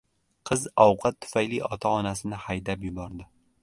Qiz ovqat tufayli ota-onasini haydab yubordi